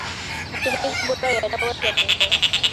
Matumizi bora ya dawa za minyoo